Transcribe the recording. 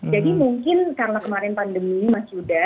jadi mungkin karena kemarin pandemi mas yuda